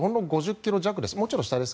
５０ｋｍ弱です。